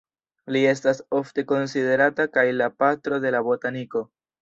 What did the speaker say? Li estas ofte konsiderata kaj la "patro de la botaniko".